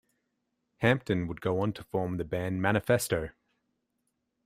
Hampton would go on to form the band Manifesto.